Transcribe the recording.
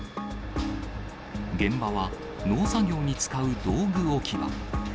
現場は農作業に使う道具置き場。